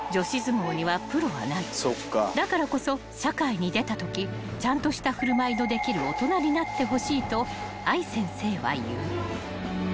［だからこそ社会に出たときちゃんとした振る舞いのできる大人になってほしいと愛先生は言う］